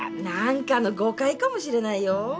何かの誤解かもしれないよ？